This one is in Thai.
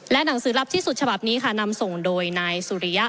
หนังสือลับที่สุดฉบับนี้ค่ะนำส่งโดยนายสุริยะ